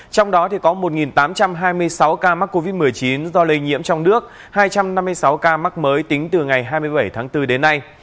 trong đó có một tám trăm hai mươi sáu ca mắc covid một mươi chín do lây nhiễm trong nước hai trăm năm mươi sáu ca mắc mới tính từ ngày hai mươi bảy tháng bốn đến nay